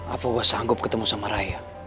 apa gue sanggup ketemu sama raya